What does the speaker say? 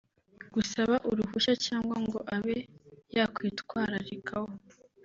gusaba uruhushya cyangwa ngo abe yakwitwararikaho